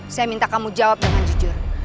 saya minta kamu jawab dengan jujur